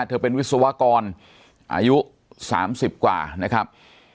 เป็นวิศวกรอายุ๓๐กว่านะครับ